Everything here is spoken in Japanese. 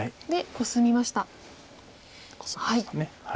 コスみました。